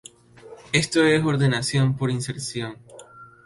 Esto es ordenación por inserción.